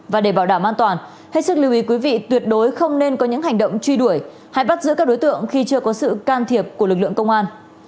và để bảo đảm an toàn hết sức lưu ý quý vị tuyệt đối không nên có những hành động truy đuổi hay bắt giữ các đối tượng khi chưa có sự can thiệp của lực lượng công an